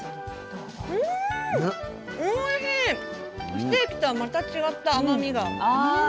ステーキとはまた違った甘みが。